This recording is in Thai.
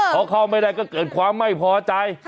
พอเข้าไม่ได้ก็เกิดความไม่พอใจ